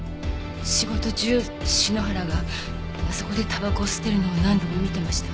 仕事中篠原があそこでタバコを吸っているのを何度も見てました。